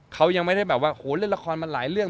เขายังไม่ได้แบบว่าโหเล่นละครมาหลายเรื่อง